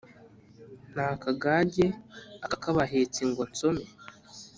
Nta kagage aka k' abahetsi ngo nsome